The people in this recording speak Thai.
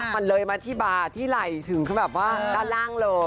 มันเลยมาที่บาร์ที่ไหล่ถึงเขาแบบว่าด้านล่างเลย